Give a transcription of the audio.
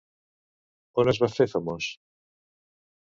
On es va fer famós?